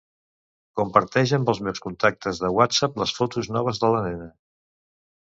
Comparteix amb els meus contactes de Whatsapp les fotos noves de la nena.